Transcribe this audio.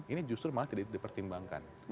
ini justru malah tidak dipertimbangkan